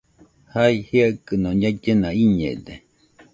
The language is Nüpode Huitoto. Jae jɨaɨkɨno ñaɨllena iñede.